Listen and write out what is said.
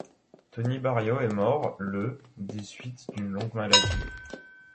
Tony Bario est mort le des suites d'une longue maladie.